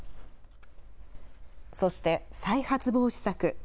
そして再発防止策。